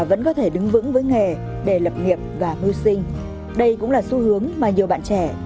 vẫn có thể đứng vững với nghề để lập nghiệp và mưu sinh đây cũng là xu hướng mà nhiều bạn trẻ đang hướng đến